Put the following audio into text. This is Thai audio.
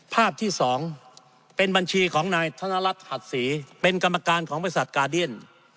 ภาพที่๒ในบัญชีของนายทนนรัทธ์หักศีเป็นกรรมการของบสัตว์กาเดี้ยน